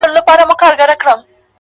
کوټي ته درځمه گراني